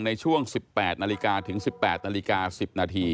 ในช่วง๑๘นาฬิกาถึง๑๘นาฬิกา๑๐นาที